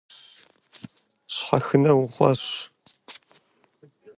Щхьэхынэ ухъуащ.